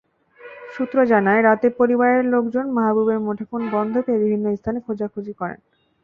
সূত্র জানায়, রাতে পরিবারের লোকজন মাহবুবের মুঠোফোন বন্ধ পেয়ে বিভিন্ন স্থানে খোঁজাখুঁজি করেন।